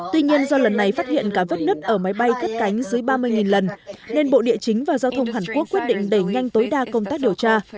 tuy nhiên do lần này phát hiện cả vết nứt ở máy bay cất cánh dưới ba mươi lần nên bộ địa chính và giao thông hàn quốc quyết định đẩy nhanh tối đa công tác điều tra